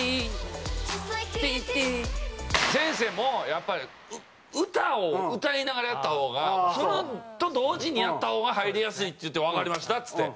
先生もやっぱり歌を歌いながらやった方がそれと同時にやった方が入りやすいって言ってわかりましたっつって。